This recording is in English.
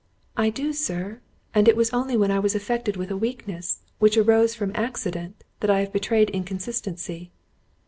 "I do, Sir; and it was only when I was affected with a weakness, which arose from accident, that I have betrayed inconsistency."